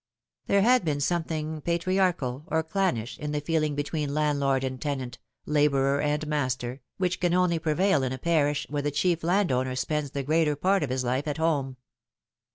There had been something patriarchal, or clannish, in the feeling be tween landlord and tenant, labourer and master, which can only prevail in a parish where the chief landowner spends the greater part of his life at home.